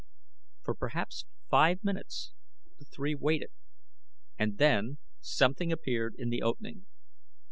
For perhaps five minutes the three waited and then something appeared in the opening.